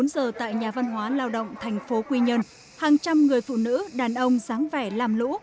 một mươi bốn giờ tại nhà văn hóa lao động tp quy nhân hàng trăm người phụ nữ đàn ông sáng vẻ làm lũ